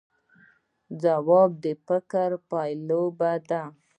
ځواب د فکر پایله ده